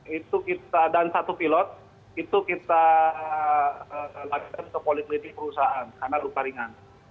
yang enam penumpang dan satu pilot itu kita laksan ke politik perusahaan karena luka ringan